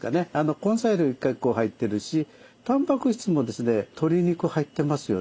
根菜類結構入ってるしタンパク質も鶏肉入ってますよね。